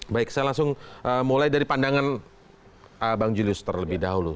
baik saya langsung mulai dari pandangan bang julius terlebih dahulu